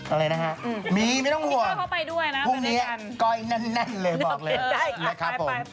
อะไรนะฮะมีไม่ต้องห่วงพรุ่งนี้ก้อยนั่นเลยบอกเลยนะครับผมอ่าไป